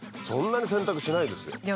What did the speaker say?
そんなに洗濯しないですよ。